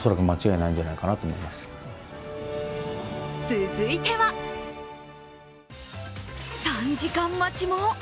続いては３時間待ちも？